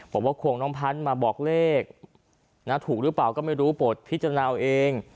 บอกว่าควงน้องพันธุ์มาบอกเลขถูกหรือเปล่าก็ไม่รู้บทพิจารณาเอาเอง